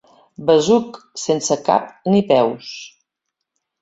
Besuc sense cap ni peus.